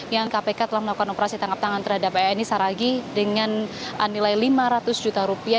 yang kpk telah melakukan operasi tangkap tangan terhadap eni saragi dengan nilai lima ratus juta rupiah